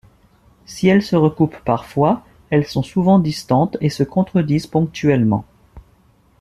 Si elles se recoupent parfois, elles sont souvent distantes et se contredisent ponctuellement.